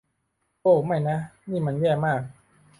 โอ้ ไม่นะ นี่มันแย่มาก